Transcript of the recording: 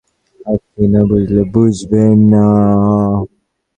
আপনি না শুনলে বুঝবেন না।